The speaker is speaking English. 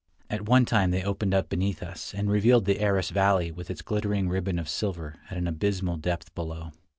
At one time they opened up beneath us, and revealed the Aras valley with its glittering ribbon of silver at an abysmal depth below.